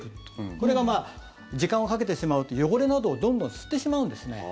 これが時間をかけてしまうと汚れなどをどんどん吸ってしまうんですね。